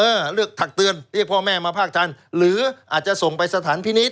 เลือกทักเตือนเรียกพ่อแม่มาภาคทันหรืออาจจะส่งไปสถานพินิษฐ